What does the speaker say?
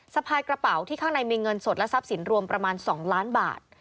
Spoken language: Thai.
สะพายกระเป๋าที่ข้างในมีเงินสดและทรัพย์สินรวมประมาณ๒ล้านบาท